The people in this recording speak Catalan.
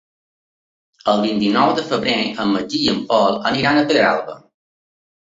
El vint-i-nou de febrer en Magí i en Pol iran a Pedralba.